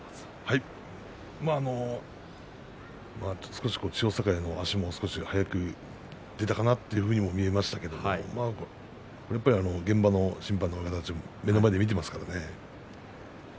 少し千代栄の足が少し早く出たかなというふうにも見えましたけど現場の審判の親方目の前で見ていますからね。